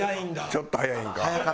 ちょっと早いんか。